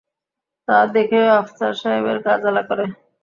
তা দেখেও আফসার সাহেবের গা জ্বালা করে।